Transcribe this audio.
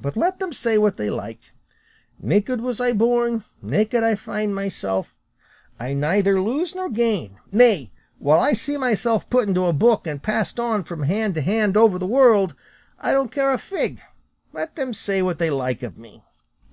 But let them say what they like; naked was I born, naked I find myself, I neither lose nor gain; nay, while I see myself put into a book and passed on from hand to hand over the world, I don't care a fig, let them say what they like of me."